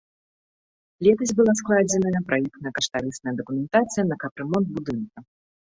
Летась была складзеная праектна-каштарысная дакументацыя на капрамонт будынка.